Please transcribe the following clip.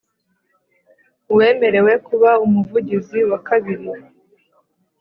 Uwemerewe kuba umuvugizi wa kabiri